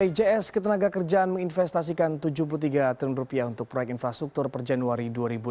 bpjs ketenaga kerjaan menginvestasikan rp tujuh puluh tiga triliun untuk proyek infrastruktur per januari dua ribu enam belas